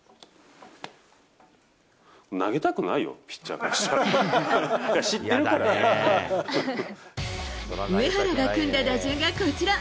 投げたくないよ、上原が組んだ打順がこちら。